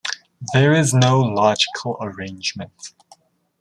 There is no logical arrangement.